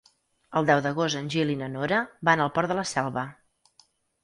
El deu d'agost en Gil i na Nora van al Port de la Selva.